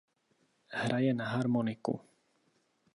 Hraje na harmoniku.